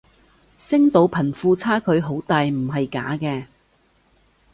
星島貧富差距好大唔係假嘅